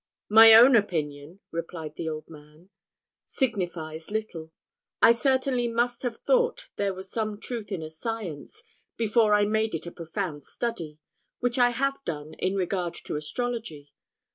"My own opinion," replied the old man, "signifies little; I certainly must have thought there was some truth in a science, before I made it a profound study, which I have done in regard to astrology.